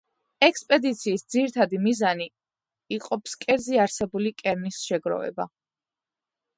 ექსპედიციის ძირითადი მიზანი იყო ფსკერზე არსებული კერნის შეგროვება.